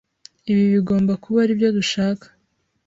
Ibi bigomba kuba aribyo dushaka.